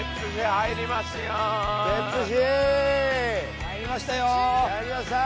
入りました！